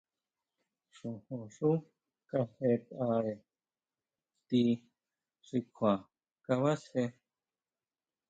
Xojonxú kajeʼetʼare ti xi kjua kabasjé.